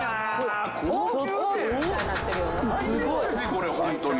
これホントに。